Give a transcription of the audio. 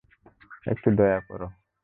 একটু দয়া কর।